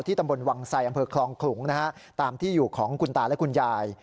ตำบลวังไสอำเภอคลองขลุงนะฮะตามที่อยู่ของคุณตาและคุณยาย